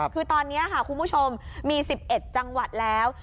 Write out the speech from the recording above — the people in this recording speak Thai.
คือตอนนี้ค่ะคุณผู้ชมมี๑๑จังหวัดแล้ว